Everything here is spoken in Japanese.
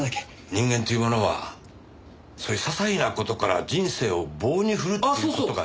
人間っていうものはそういう些細な事から人生を棒に振るっていう事がね。